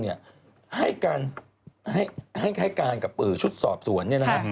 ให้การกับชุดสอบสวนเนี่ยนะฮะ